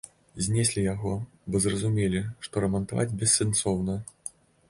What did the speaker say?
Знеслі яго, бо зразумелі, што рамантаваць бессэнсоўна.